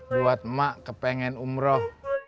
buat emak kepengen umroh